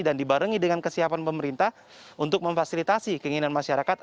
dan dibarengi dengan kesiapan pemerintah untuk memfasilitasi keinginan masyarakat